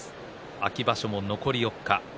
秋場所も残り４日。